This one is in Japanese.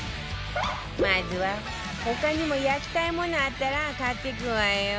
まずは他にも焼きたいものあったら買っていくわよ